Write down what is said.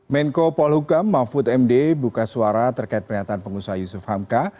menko polhukam mahfud md buka suara terkait pernyataan pengusaha yusuf hamka